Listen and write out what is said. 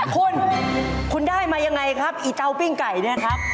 คุณคุณได้มายังไงครับอีเตาปิ้งไก่เนี่ยครับ